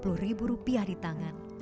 berbekal tiga puluh ribu rupiah di tangan